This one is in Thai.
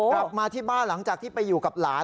กลับมาที่บ้านหลังจากที่ไปอยู่กับหลาน